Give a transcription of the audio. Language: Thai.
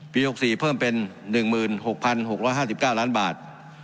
๖๔เพิ่มเป็น๑๖๖๕๙ล้านบาท